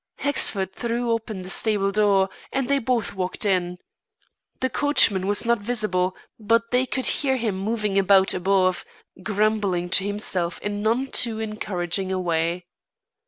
Hexford threw open the stable door, and they both walked in. The coachman was not visible, but they could hear him moving about above, grumbling to himself in none too encouraging a way.